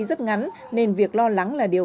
rất ngắn nên việc lo lắng là điều